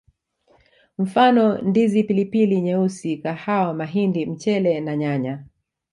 Mfano Ndizi Pilipili nyeusi kahawa mahindi mchele na nyanya